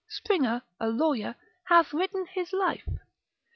Springer, a lawyer, hath written his life.